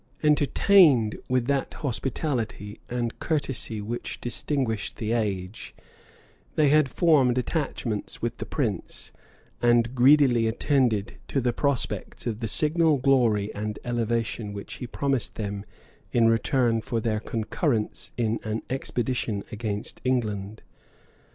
Entertained with that hospitality and courtesy which distinguished the age, they had formed attachments with the prince, and greedily attended to the prospects of the signal glory and elevation which he promised them in return for their concurrence in an expedition against England.